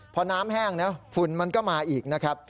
พอน้ำแห้งนะฝุ่นมันก็มาอีกนะครับ